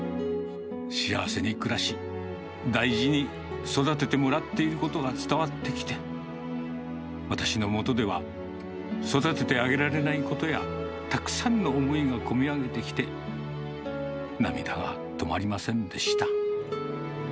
幸せに暮らし、大事に育ててもらっていることが伝わってきて、私のもとでは育ててあげられないことや、たくさんの思いが込み上げてきて、涙が止まりませんでした。